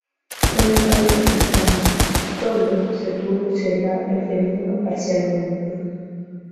En los países cercanos, solo se pudo observar el fenómeno parcialmente.